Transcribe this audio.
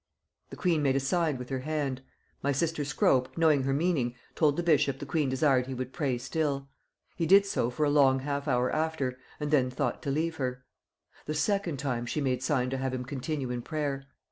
The queen made a sign with her hand. My sister Scrope, knowing her meaning, told the bishop the queen desired he would pray still. He did so for a long half hour after, and then thought to leave her. The second time she made sign to have him continue in prayer.